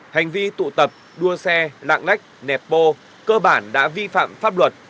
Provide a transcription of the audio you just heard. hành vi tụ tập đua xe lạng lách nẹp bô cơ bản đã vi phạm pháp luật